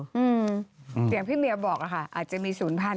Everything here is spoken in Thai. อย่างพี่เมียบอกค่ะอาจจะมีศูนย์พันธุ์